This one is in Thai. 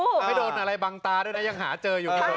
ไม่โดนอะไรบังตาด้วยนะยังหาเจออยู่